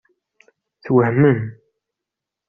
Twehmem.